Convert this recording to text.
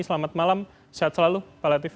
selamat malam sehat selalu pak latif